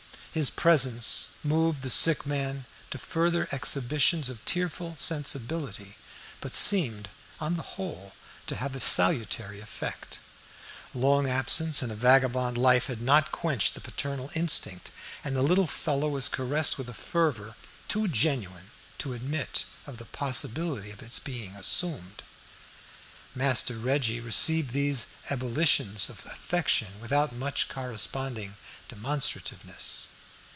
His presence moved the sick man to further exhibitions of tearful sensibility, but seemed, on the whole, to have a salutary effect. Long absence and a vagabond life had not quenched the paternal instinct, and the little fellow was caressed with a fervor too genuine to admit of the possibility of its being assumed. Master Reggie received these ebullitions of affection without much corresponding demonstrativeness.